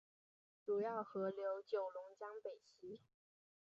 主要河流九龙江北溪。